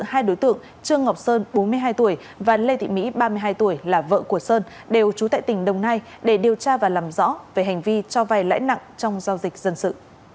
hai đối tượng trương ngọc sơn bốn mươi hai tuổi và lê thị mỹ ba mươi hai tuổi là vợ của sơn đều trú tại tỉnh đồng nai để điều tra và làm rõ về hành vi cho vay lãi nặng trong giao dịch dân sự